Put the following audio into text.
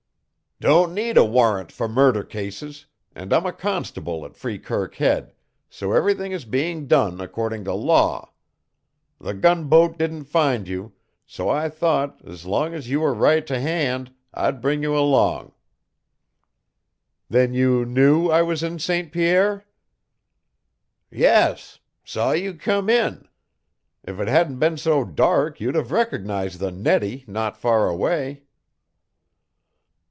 "Don't need a warrant for murder cases, and I'm a constable at Freekirk Head, so everything is being done according to law. The gunboat didn't find you, so I thought, as long as you were right to hand, I'd bring you along." "Then you knew I was in St. Pierre?" "Yes; saw you come in. If it hadn't been so dark you'd have recognized the Nettie not far away."